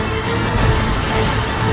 aku akan menangkapmu